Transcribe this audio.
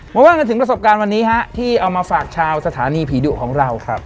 ว่ากันถึงประสบการณ์วันนี้ฮะที่เอามาฝากชาวสถานีผีดุของเราครับ